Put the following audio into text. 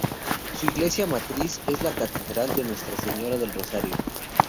Su iglesia matriz es la catedral de Nuestra Señora del Rosario.